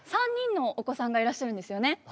３人のお子さんがいらっしゃるんですよね？